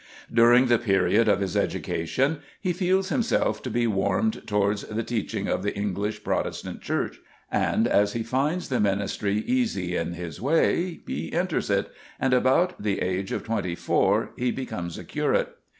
During the period of his education he feels himself to be warmed towards the teaching of the English Protestant Church, and as he finds the ministry easily in his way he enters it and at about the age of twenty four he becomes a curate.